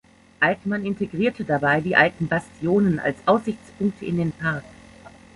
Altmann integrierte dabei die alten Bastionen als Aussichtspunkte in den Park.